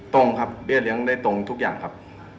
ตรงครับเบี้ยเลี้ยงได้ตรงทุกอย่างครับ